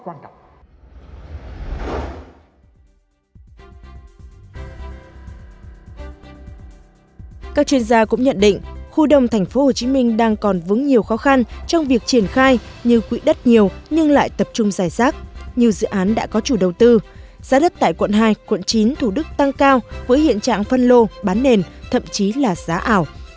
các chuyên gia cũng nhận định khu đồng tp hcm đang còn vững nhiều khó khăn trong việc triển khai như quỹ đất nhiều nhưng lại tập trung giải sát nhiều dự án đã có chủ đầu tư giá đất tại quận hai quận chín thủ đức tăng cao với hiện trạng phân lô bán nền thậm chí là giá ảo